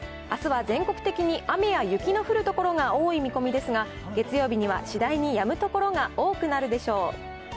あすは全国的に雨や雪の降る所が多い見込みですが、月曜日には次第にやむ所が多くなるでしょう。